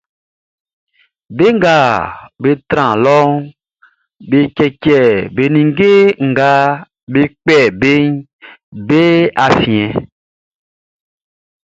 Be nga be tran lɔʼn, be cɛcɛ be ninnge nga be kpɛ beʼn be afiɛn.